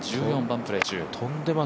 １４番、プレー中。